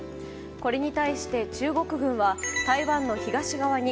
これに対して中国軍は台湾の東側に